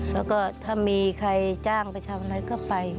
แล้วก็ถ้ามีใครจ้างไปทำอะไรก็ไป